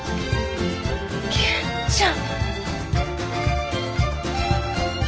元ちゃん！？